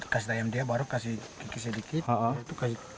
kasih dayam dia baru kasih sedikit